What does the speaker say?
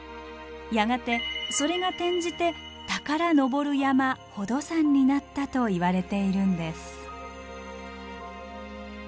やがてそれが転じて宝登る山宝登山になったといわれているんです。